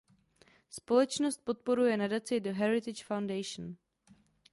Společnost podporuje nadaci The Heritage Foundation.